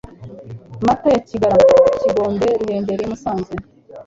Mata ya Kigarama Kigombe Ruhengeri Musanze